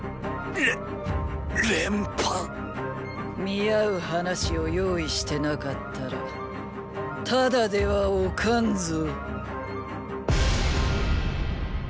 見合う話を用意してなかったらただではおかんぞ。